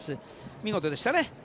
見事でしたね。